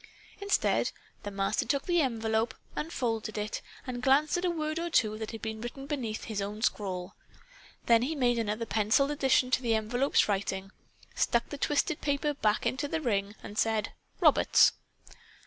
Instead, the Master took the envelope, unfolded it and glanced at a word or two that had been written beneath his own scrawl; then he made another penciled addition to the envelope's writing, stuck the twisted paper back into the ring and said "Roberts."